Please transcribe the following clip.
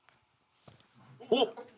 おっ！